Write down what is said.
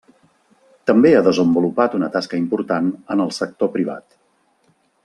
També ha desenvolupat una tasca important en el sector privat.